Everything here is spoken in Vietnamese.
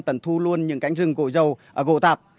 tần thu luôn những cánh rừng gỗ dầu gỗ tạp